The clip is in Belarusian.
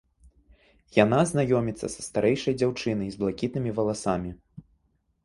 Яна знаёміцца са старэйшай дзяўчынай, з блакітнымі валасамі.